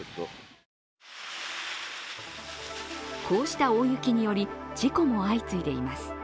こうした大雪により、事故も相次いでいます。